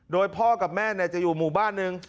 โดยพ่อกับแม่จะอยู่หมู่บ้านนึง